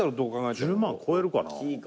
１０万超えるかな？